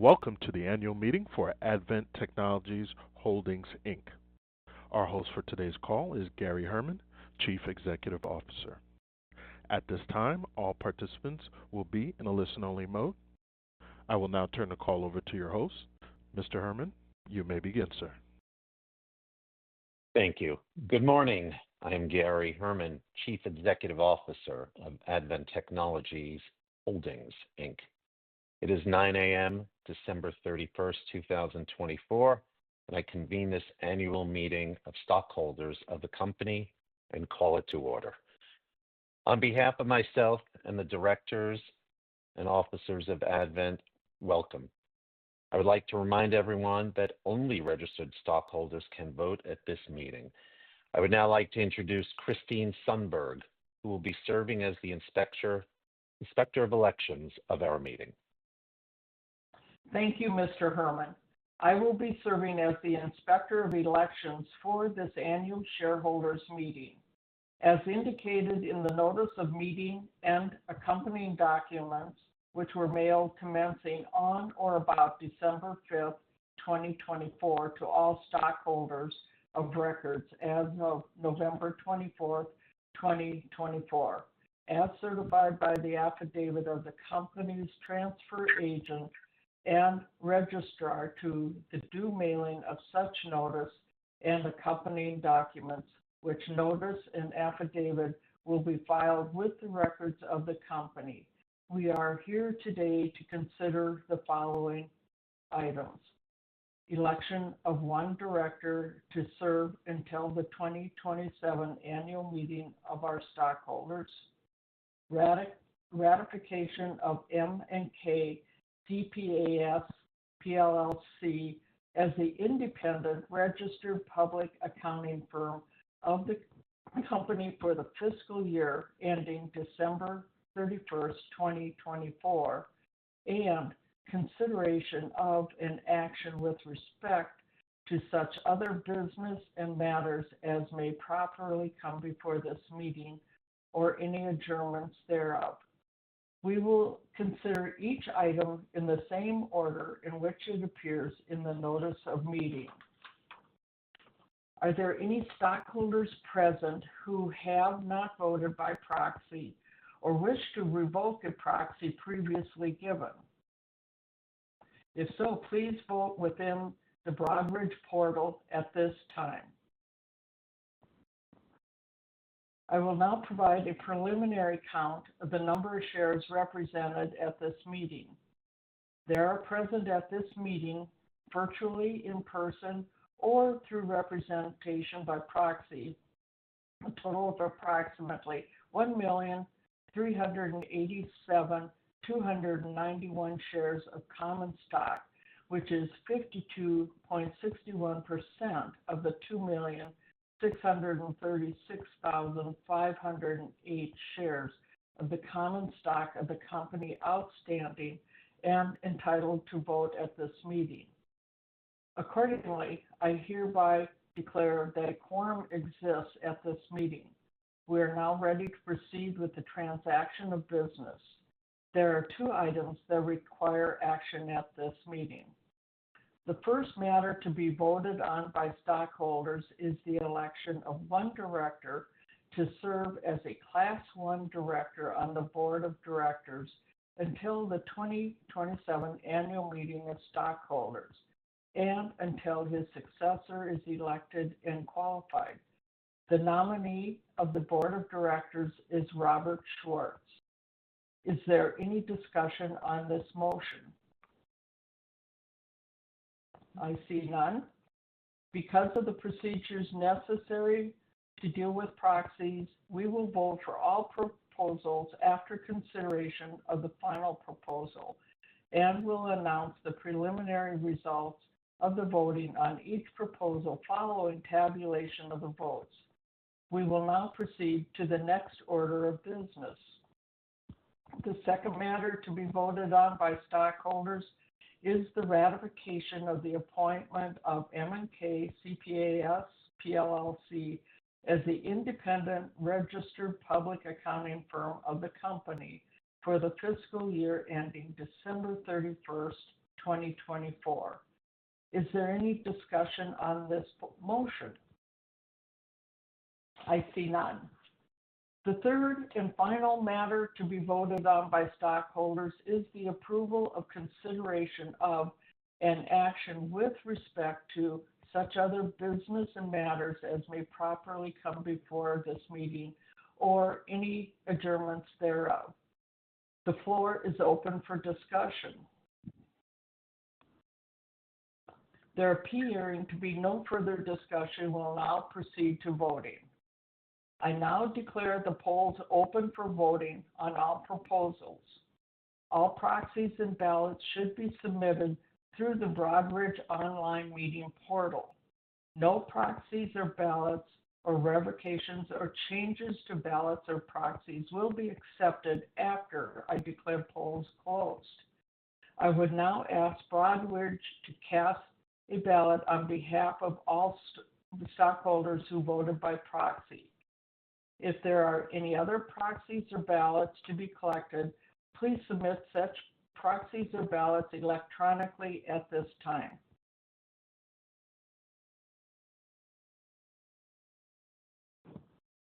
Welcome to the annual meeting for Advent Technologies Holdings, Inc. Our host for today's call is Gary Herman, Chief Executive Officer. At this time, all participants will be in a listen-only mode. I will now turn the call over to your host. Mr. Herman, you may begin, sir. Thank you. Good morning. I am Gary Herman, Chief Executive Officer of Advent Technologies Holdings, Inc. It is 9:00 A.M., December 31st, 2024, and I convene this annual meeting of stockholders of the company and call it to order. On behalf of myself and the directors and officers of Advent, welcome. I would like to remind everyone that only registered stockholders can vote at this meeting. I would now like to introduce Christine Sundberg, who will be serving as the Inspector of Elections of our meeting. Thank you, Mr. Herman. I will be serving as the Inspector of Elections for this annual shareholders' meeting. As indicated in the notice of meeting and accompanying documents, which were mailed commencing on or about December 5th, 2024, to all stockholders of record as of November 24th, 2024, as certified by the affidavit of the company's transfer agent and registrar to the due mailing of such notice and accompanying documents, which notice and affidavit will be filed with the records of the company. We are here today to consider the following items: election of one director to serve until the 2027 annual meeting of our stockholders, ratification of M&K CPAs, PLLC as the independent registered public accounting firm of the company for the fiscal year ending December 31st, 2024, and consideration of an action with respect to such other business and matters as may properly come before this meeting or any adjournments thereof. We will consider each item in the same order in which it appears in the notice of meeting. Are there any stockholders present who have not voted by proxy or wish to revoke a proxy previously given? If so, please vote within the Broadridge portal at this time. I will now provide a preliminary count of the number of shares represented at this meeting. There are present at this meeting virtually in person or through representation by proxy, a total of approximately 1,387,291 shares of common stock, which is 52.61% of the 2,636,508 shares of the common stock of the company outstanding and entitled to vote at this meeting. Accordingly, I hereby declare that a quorum exists at this meeting. We are now ready to proceed with the transaction of business. There are two items that require action at this meeting. The first matter to be voted on by stockholders is the election of one director to serve as a Class I director on the board of directors until the 2027 annual meeting of stockholders and until his successor is elected and qualified. The nominee of the board of directors is Robert Schwartz. Is there any discussion on this motion? I see none. Because of the procedures necessary to deal with proxies, we will vote for all proposals after consideration of the final proposal and will announce the preliminary results of the voting on each proposal following tabulation of the votes. We will now proceed to the next order of business. The second matter to be voted on by stockholders is the ratification of the appointment of M&K CPAS, PLLC as the independent registered public accounting firm of the company for the fiscal year ending December 31st, 2024. Is there any discussion on this motion? I see none. The third and final matter to be voted on by stockholders is the approval of consideration of an action with respect to such other business and matters as may properly come before this meeting or any adjournments thereof. The floor is open for discussion. There appearing to be no further discussion, we will now proceed to voting. I now declare the polls open for voting on all proposals. All proxies and ballots should be submitted through the Broadridge online meeting portal. No proxies or ballots or revocations or changes to ballots or proxies will be accepted after I declare polls closed. I would now ask Broadridge to cast a ballot on behalf of all stockholders who voted by proxy. If there are any other proxies or ballots to be collected, please submit such proxies or ballots electronically at this time.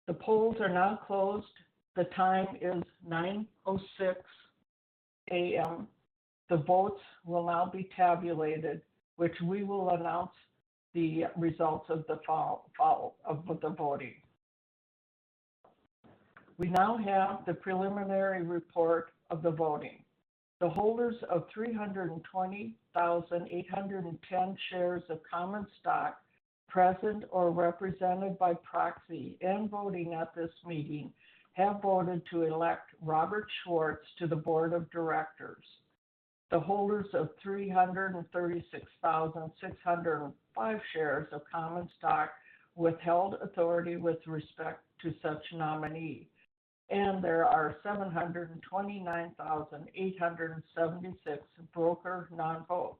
The polls are now closed. The time is 9:06 A.M. The votes will now be tabulated, which we will announce the results of the voting. We now have the preliminary report of the voting. The holders of 320,810 shares of common stock present or represented by proxy and voting at this meeting have voted to elect Robert Schwartz to the board of directors. The holders of 336,605 shares of common stock withheld authority with respect to such nominee, and there are 729,876 broker non-votes.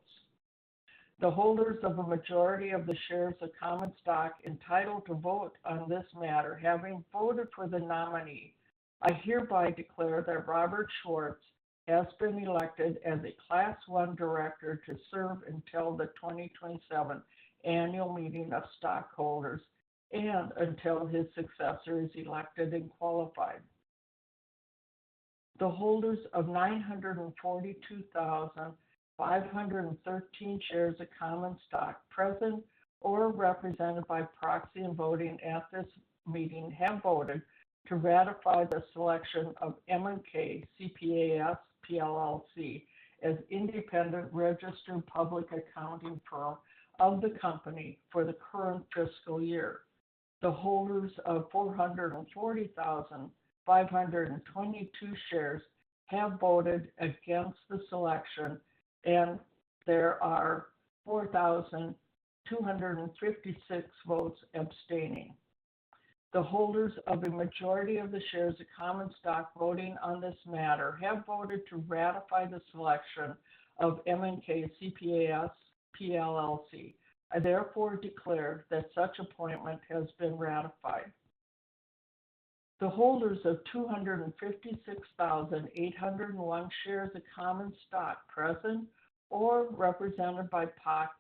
The holders of a majority of the shares of common stock entitled to vote on this matter having voted for the nominee, I hereby declare that Robert Schwartz has been elected as a Class 1 director to serve until the 2027 annual meeting of stockholders and until his successor is elected and qualified. The holders of 942,513 shares of common stock present or represented by proxy and voting at this meeting have voted to ratify the selection of M&K CPAS, PLLC as independent registered public accounting firm of the company for the current fiscal year. The holders of 440,522 shares have voted against the selection, and there are 4,256 votes abstaining. The holders of a majority of the shares of common stock voting on this matter have voted to ratify the selection of M&K CPAS, PLLC. I therefore declare that such appointment has been ratified. The holders of 256,801 shares of common stock present or represented by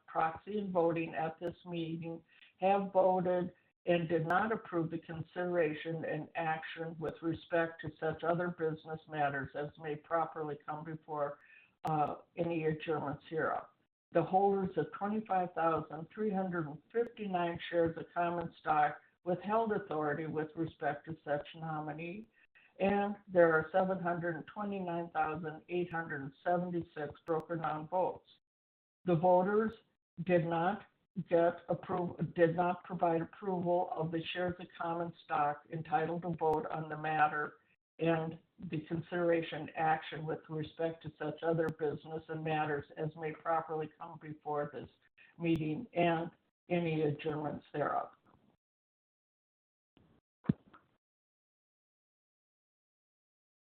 proxy and voting at this meeting have voted and did not approve the consideration and action with respect to such other business matters as may properly come before any adjournments here. The holders of 25,359 shares of common stock withheld authority with respect to such nominee, and there are 729,876 broker non-votes. The voters did not provide approval of the shares of common stock entitled to vote on the matter and the consideration action with respect to such other business and matters as may properly come before this meeting and any adjournments thereof.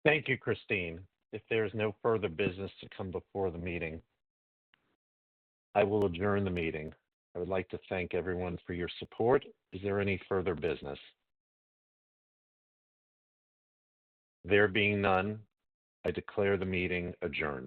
Thank you, Christine. If there is no further business to come before the meeting, I will adjourn the meeting. I would like to thank everyone for your support. Is there any further business? There being none, I declare the meeting adjourned.